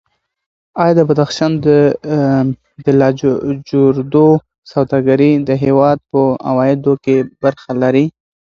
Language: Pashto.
ایا د بدخشان د لاجوردو سوداګري د هېواد په عوایدو کې برخه لري؟